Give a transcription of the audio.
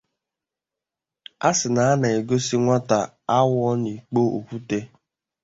A sị na a na-egosi nwata awọ n'ipko okwute